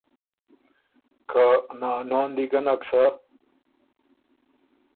که نانو ن دې ګۀ نک سَۀ“